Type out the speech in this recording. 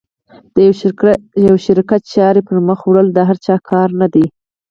د یوه شرکت چارې پر مخ وړل د هر چا کار نه ده.